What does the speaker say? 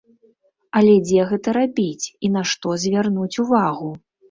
Але дзе гэта рабіць і на што звярнуць увагу?